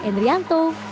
dan juga di dalam video ini